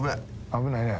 危ないね。